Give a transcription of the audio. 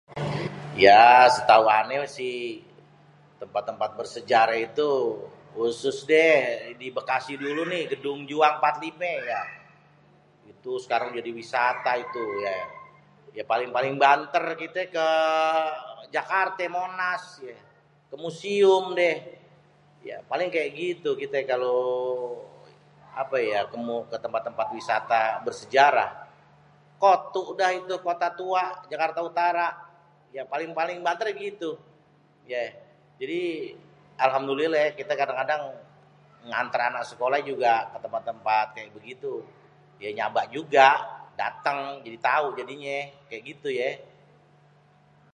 Ya setau ané sih tempat-tempat bersejaréh itu khusus deh di Bekasi dulu nih di gedung Juang Empat Limé yak.. tu sekarang jadi wisata itu.. ya paling-paling banter kité ke Jakarté Monas ye.. ke musium deh.. paling kayak gitu deh kité kalo ke tempat-tempat wisata bersejarah.. 'kotu' dah itu Kota Tua Jakarta Utara.. ya paling-paling banter ya gitu.. jadi alhamdulilléh kité kadang-kadang nganter anak sekolah juga ke tempat-tempat kayak begitu.. yé nyaba juga dateng jadi tau jadinyé.. kayak gitu yé..